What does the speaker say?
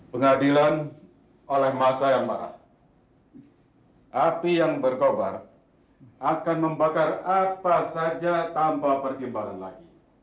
pengadilan oleh masa yang marah api yang berkobar akan membakar apa saja tanpa pertimbangan lagi